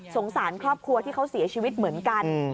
สารครอบครัวที่เขาเสียชีวิตเหมือนกัน